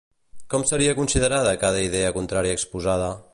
Com seria considerada cada idea contrària exposada?